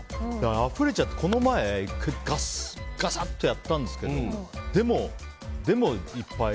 あふれちゃってこの前、１回ガサッとやったんですけどでもいっぱい。